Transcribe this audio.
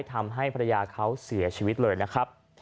ทำให้ภรรยาเขาเสียชีวิตเลยนะครับ